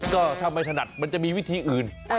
ก็ถ้าไม่ถนัดมันจะมีวิธีอื่น